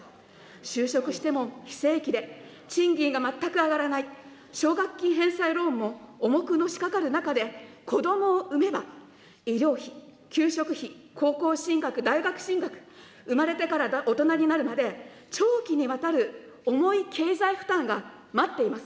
就職しても非正規で、賃金が全く上がらない、奨学金返済ローンも重くのしかかる中で、子どもを産めば、医療費、給食費、高校進学、大学進学、生まれてから大人になるまで、長期にわたる重い経済負担が待っています。